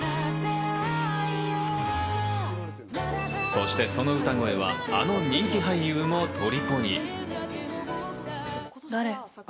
そして、その歌声はあの人気俳優も虜に。